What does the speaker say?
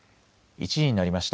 １時になりました。